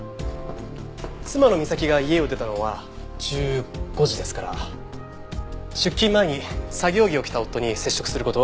妻のみさきが家を出たのは１５時ですから出勤前に作業着を着た夫に接触する事は出来ません。